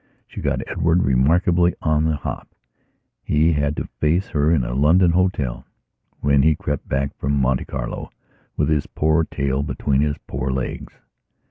She got Edward remarkably on the hop. He had to face her in a London hotel, when he crept back from Monte Carlo with his poor tail between his poor legs.